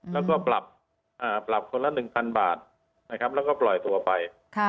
แล้วก็ปรับคนละ๑๐๐บาทนะครับแล้วก็ปล่อยตัวไป